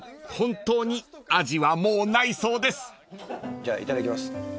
じゃあいただきます